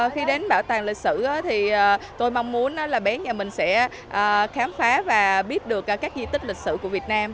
khi đến bảo tàng lịch sử thì tôi mong muốn là bến nhà mình sẽ khám phá và biết được các di tích lịch sử của việt nam